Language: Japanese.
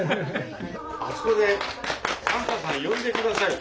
あそこでサンタさん呼んで下さい。